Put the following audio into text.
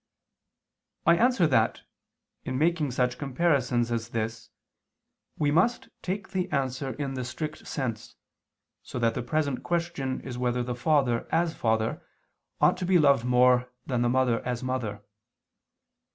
I answer that, In making such comparisons as this, we must take the answer in the strict sense, so that the present question is whether the father as father, ought to be loved more than the mother as mother.